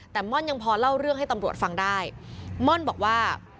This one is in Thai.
แต่ม่อนยังพอเล่าเรื่องให้ตำรวจฟังได้ม่อนบอกว่า